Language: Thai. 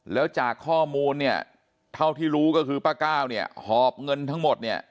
แล้วจากข้อมูลเนี่ยเท่าที่รู้ก็คือป้าก้าวเนี่ยหอบเงินทั้งหมดเนี่ย